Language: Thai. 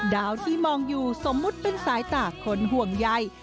ดาวที่มองอยู่สมมุติเป็นสายตาคนห่วงใย